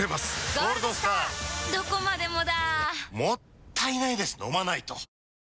もったいないです、飲まないと。男性）